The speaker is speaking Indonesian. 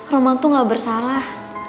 roman tuh gak bersalah